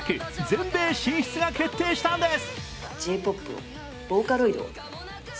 全米進出が決定したんです。